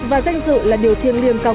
và danh dự là điều thiêng liêng cao